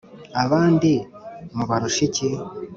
abandi mubarusha iki?